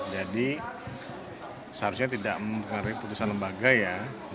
jadi seharusnya tidak mengaruhi putusan lembaga ya